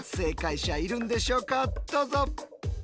どうぞ。